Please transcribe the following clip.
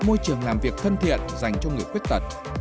là một môi trường làm việc thân thiện dành cho người khuyết tật